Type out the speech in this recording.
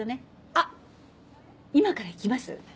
あっ今から行きます？